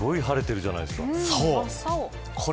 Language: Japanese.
すごい晴れてるじゃないですか。